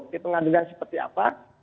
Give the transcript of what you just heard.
di pengadilan seperti apa